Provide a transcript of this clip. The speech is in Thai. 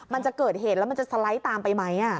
มันจะเกิดเหตุแล้วมันจะสไลด์ตามไปไหม